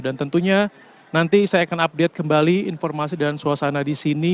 dan tentunya nanti saya akan update kembali informasi dan suasana di sini